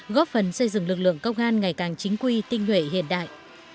góp phần xây dựng lực lượng công an ngày càng chính quy tinh nguyện hiện đại